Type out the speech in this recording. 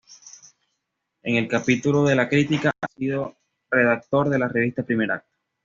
En el capítulo de la crítica, ha sido redactor de la revista "Primer Acto".